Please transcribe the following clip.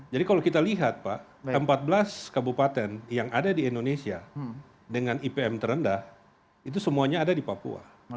jadi kalau kita lihat pak empat belas kabupaten yang ada di indonesia dengan ipm terendah itu semuanya ada di papua